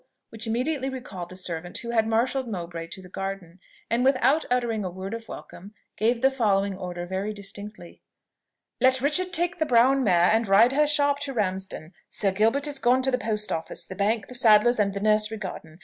which immediately recalled the servant who had marshalled Mowbray to the garden, and without uttering a word of welcome, gave the following order very distinctly: "Let Richard take the brown mare and ride her sharp to Ramsden. Sir Gilbert is gone to the post office, the bank, the sadler's, and the nursery garden.